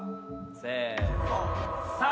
せの。